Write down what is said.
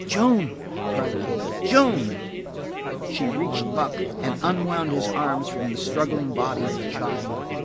"Joan!" cried Kate. "Joan!" She reached Buck and unwound his arms from the struggling body of the child.